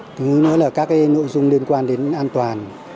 thứ nữa là các nội dung liên quan đến an toàn